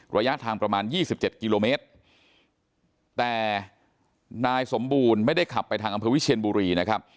ระยะทางประมาณ๒๗กิโลเมตรแต่นายสมบูรณ์ไม่ได้ขับไปทางอำเภอวิเชียนบุรีนะครับ